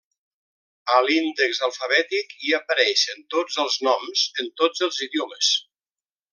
A l'índex alfabètic hi apareixen tots els noms en tots els idiomes.